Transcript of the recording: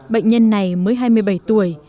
bệnh nhân này mới hai mươi bảy tuổi